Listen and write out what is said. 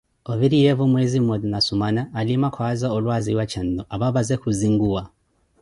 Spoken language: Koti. Oviriyevo mwezi ummote na sumana, alima kwaza olwaziwa txannu, apapaze kuhzinkuwa